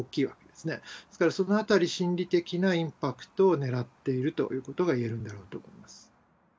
ですからそのあたり、心理的なインパクトを狙っているということがいえるんじゃないかと思います。